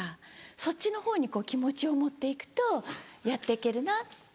そっちのほうにこう気持ちを持って行くとやって行けるなって。